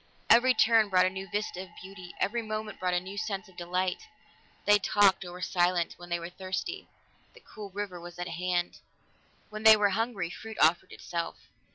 Every turn brought a new vista of beauty; every moment brought a new sense of delight. They talked or were silent; when they were thirsty, the cool river was at hand; when they were hungry, fruit offered itself.